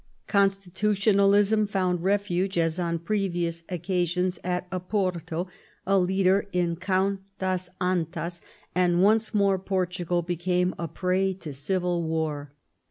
Gonstitutionalism found refuge, as on previous occasions, at Oporto, a leader in Count das YEAE8 OF REVOLUTION. Ill Antas, and once more Portugal became a prey to civil war.